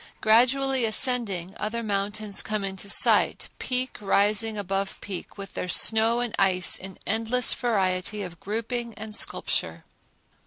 Gradually ascending, other mountains come in sight, peak rising above peak with their snow and ice in endless variety of grouping and sculpture.